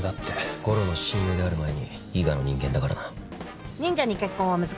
悟朗の親友である前に伊賀の人間だからな。